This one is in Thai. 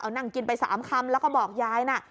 นั่งกินไป๓คำแล้วก็บอกยายน่ะ